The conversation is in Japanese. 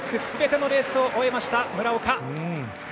すべてのレースを終えました村岡。